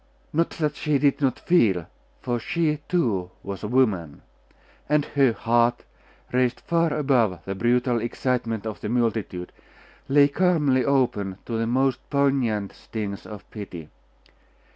Not that she did not feel; for she, too, was woman; and her heart, raised far above the brutal excitement of the multitude, lay calmly open to the most poignant stings of pity.